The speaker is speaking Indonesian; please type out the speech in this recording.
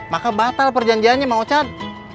maka batal perjanjiannya mau cat